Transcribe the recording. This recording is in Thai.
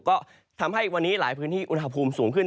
ก็ทำให้วันนี้หลายพื้นที่อุณหภูมิสูงขึ้น